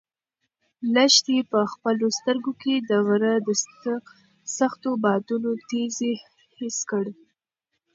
لښتې په خپلو سترګو کې د غره د سختو بادونو تېزي حس کړه.